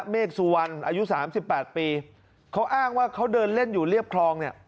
เมกซูวันอายุ๓๘ปีเขาอ้างว่าเขาเดินเล่นอยู่เรียบคลอง